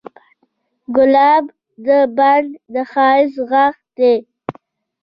ګلاب د بڼ د ښایست غاښ دی.